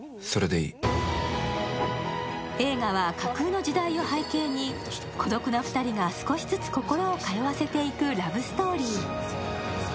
映画は、架空の時代を背景に孤独な２人が少しずつ心を通わせていくラブストーリー。